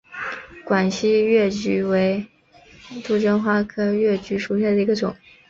广西越桔为杜鹃花科越桔属下的一个种。